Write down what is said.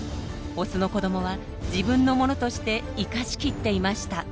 オスの子どもは自分のものとして生かし切っていました。